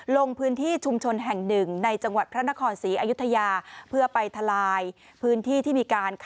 ลงพื้นที่ชุมชนแห่งหนึ่งในจังหวัดพระนครศรีอยุธยา